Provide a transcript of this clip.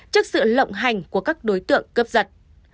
trước sự lộng hành của các đối tượng cướp giật